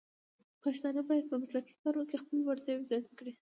پښتانه بايد په مسلکي کارونو کې خپلې وړتیاوې زیاتې کړي.